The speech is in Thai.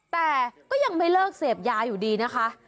แต่ก็ยังไม่เลิกเสพยาอยู่ดีนะคะ